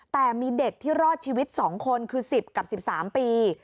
แต่มีเด็กที่รอดชีวิต๒คนคือ๑๐กับ๑๓ปี